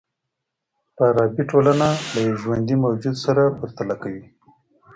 فارابي ټولنه له يوه ژوندي موجود سره پرتله کوي.